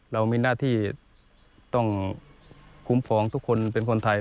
เรามีหน้าที่ต้องคุ้มครองทุกคนเป็นคนไทย